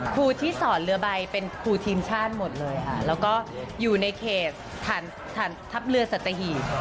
ครูที่สอนเรือใบเป็นครูทีมชาติหมดเลยค่ะแล้วก็อยู่ในเขตฐานทัพเรือสัตหีบ